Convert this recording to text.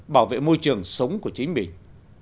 bảo vệ môi trường sống của chính mình